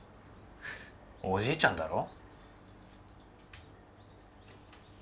おじいちゃんだろ。